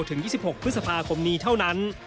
ถึง๒๖พฤษภาคมนี้เท่านั้น